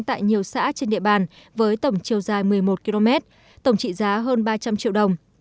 tại nhiều xã trên địa bàn với tổng chiều dài một mươi một km tổng trị giá hơn ba trăm linh triệu đồng